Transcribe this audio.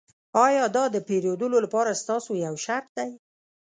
ایا دا د پیرودلو لپاره ستاسو یو شرط دی